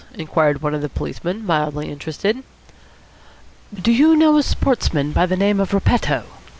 inquired one of the policemen, mildly interested. "Do you know a sportsman of the name of Repetto?"